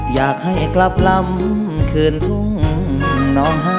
อยากให้กลับลำเคลื่อนพรุ่งน้องหา